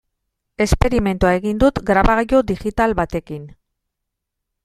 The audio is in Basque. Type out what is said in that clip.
Esperimentua egin dut grabagailu digital batekin.